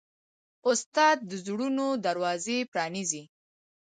استاد د زړونو دروازه پرانیزي.